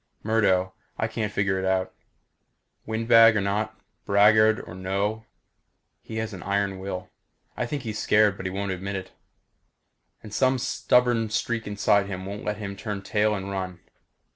Murdo I can't figure out. Windbag or not braggart or no he has an iron will. I think he's scared but he won't admit it. And some stubborn streak inside him won't let him turn tail and run.